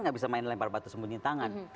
nggak bisa main lempar batu sembunyi tangan